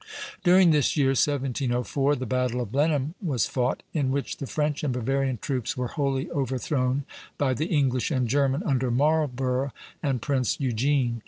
" During this year, 1704, the battle of Blenheim was fought, in which the French and Bavarian troops were wholly overthrown by the English and German under Marlborough and Prince Eugene.